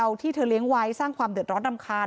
สวัสดีคุณผู้ชายสวัสดีคุณผู้ชาย